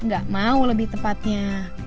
gak mau lebih tepatnya